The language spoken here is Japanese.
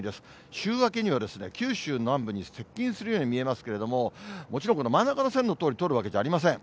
週明けには、九州南部に接近するように見えますけれども、もちろんこの真ん中の線のとおり、通るわけじゃありません。